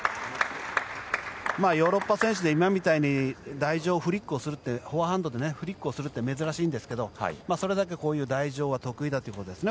ヨーロッパ選手で今みたいに台上でフォアハンドでフリックするって珍しいんですがそれだけこういう台上が得意ということですね。